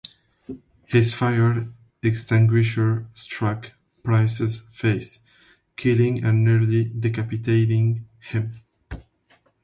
His fire extinguisher struck Pryce's face, killing and nearly decapitating him.